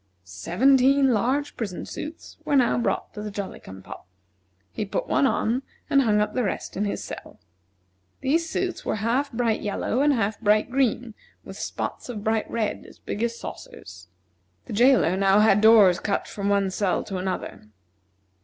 Seventeen large prison suits were now brought to the Jolly cum pop. He put one on, and hung up the rest in his cell. These suits were half bright yellow and half bright green, with spots of bright red, as big as saucers. The jailer now had doors cut from one cell to another.